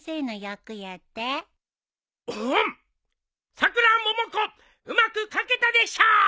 さくらももこ「うまく描けたで賞」